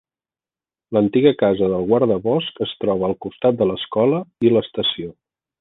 L'antiga casa del guardabosc es troba al costat de l'escola i l'estació.